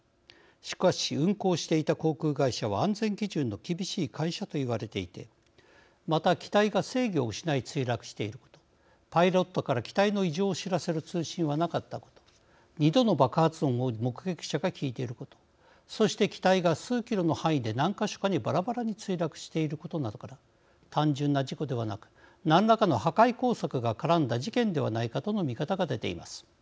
しかし運航していた航空会社は安全基準の厳しい会社といわれていてまた機体が制御を失い墜落していることパイロットから機体の異常を知らせる通信はなかったこと２度の爆発音を目撃者が聞いていることそして機体が数キロの範囲で何か所かにばらばらに墜落していることなどから単純な事故ではなく何らかの破壊工作が絡んだ事件ではないかとの見方が出ています。